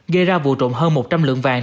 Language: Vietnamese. gây ra vụ trộm hơn một trăm linh lượng vàng